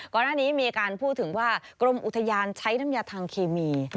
ก่อนหน้านี้มีการพูดถึงว่ากรมอุทยานใช้น้ำยาทางเคมี